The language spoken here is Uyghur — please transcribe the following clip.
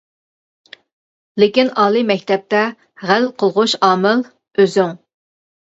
لېكىن ئالىي مەكتەپتە ھەل قىلغۇچ ئامىل ئۆزۈڭ.